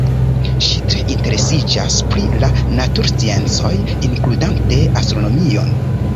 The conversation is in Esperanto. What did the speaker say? Ŝi tre interesiĝas pri la natursciencoj, inkludante astronomion.